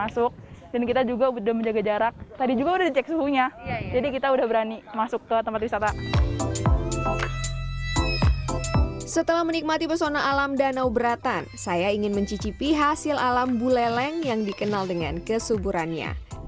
saya juga ingin mencicipi hasil alam buleleng yang dikenal dengan kesuburannya